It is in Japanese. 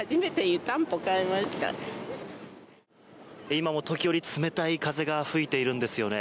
今も時折、冷たい風が吹いているんですよね。